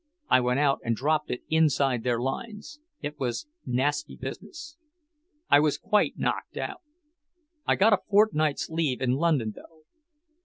I went out and dropped it inside their lines. It was nasty business. I was quite knocked out. I got a fortnight's leave in London, though.